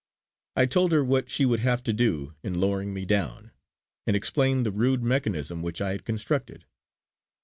I told her what she would have to do in lowering me down, and explained the rude mechanism which I had constructed.